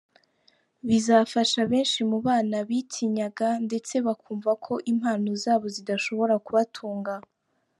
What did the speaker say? bizafasha benshi mu bana bitinyaga ndetse bakumva ko impano zabo zidashobora kubatunga.